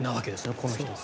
この人は。